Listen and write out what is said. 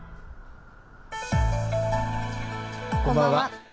こんばんは。